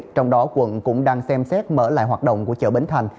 trong đó quận cũng đang xem xét mở lại hoạt động của chợ bến thành